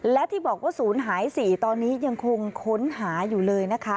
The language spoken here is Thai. และที่บอกว่าศูนย์หาย๔ตอนนี้ยังคงค้นหาอยู่เลยนะคะ